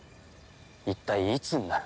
一体いつになる？